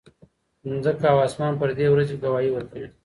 ځمکه او اسمان پر دې ورځې ګواهي ورکوي.